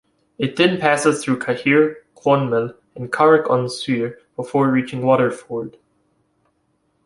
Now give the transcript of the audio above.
It then passes through Cahir, Clonmel and Carrick-on-Suir before reaching Waterford.